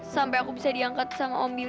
sampai aku bisa diangkat sama om billy